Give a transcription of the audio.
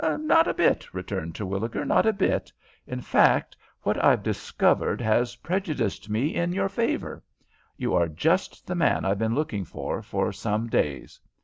"Not a bit," returned Terwilliger "not a bit. In fact, what I've discovered has prejudiced me in your favor. You are just the man I've been looking for for some days.